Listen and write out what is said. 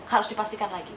harus dipastikan lagi